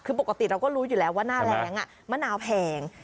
คือปกติเราก็รู้อยู่แล้วว่าหน้าแรงมะนาวแพง